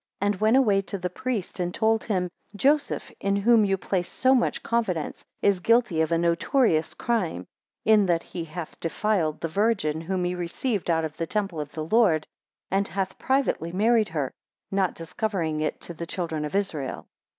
4 And went away to the priest, and told him, Joseph in whom you placed so much confidence, is guilty of a notorious crime, in that he hath defiled the Virgin whom he received out of the temple of the Lord, and hath privately married her, not discovering it to the children of Israel.